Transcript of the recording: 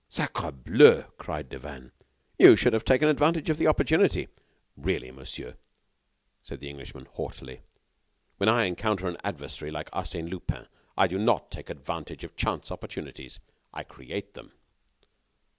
"Sacrableu!" cried Devanne. "You should have taken advantage of the opportunity." "Really, monsieur," said the Englishman, haughtily, "when I encounter an adversary like Arsène Lupin, I do not take advantage of chance opportunities, I create them."